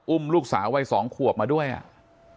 อุ้มลูกสาว่ายสองควบมาด้วยอ่ะ